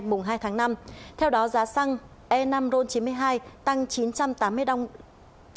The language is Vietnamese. mùng hai tháng năm theo đó giá xăng e năm ron chín mươi hai tăng chín trăm tám mươi năm đồng một lít xăng ron chín mươi năm ba tăng chín trăm năm mươi sáu đồng một lít